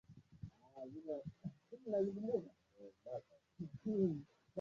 mamlaka za wazee wa jadi wa Kimasai zinaonekana zinazidi kudidimia